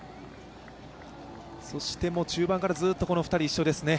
そして中盤からずっとこの２人一緒ですね。